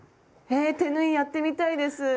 え手縫いやってみたいです！